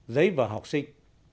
giấy vở học sinh